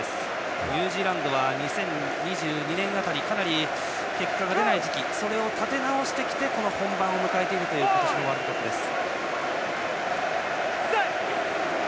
ニュージーランドは２０２２年辺りかなり結果が出ない時期それを立て直してきてこの本番を迎えている今年のワールドカップです。